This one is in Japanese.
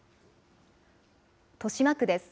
豊島区です。